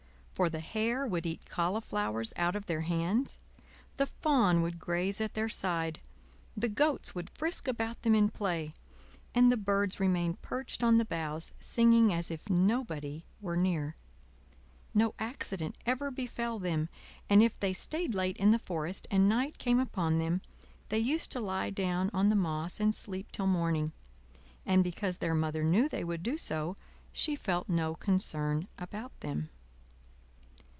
For the hare would eat cauliflowers out of their hands, the fawn would graze at their side, the goats would frisk about them in play, and the birds remained perched on the boughs singing as if nobody were near. No accident ever befell them; and if they stayed late in the forest, and night came upon them, they used to lie down on the moss and sleep till morning; and because their Mother knew they would do so, she felt no concern about them.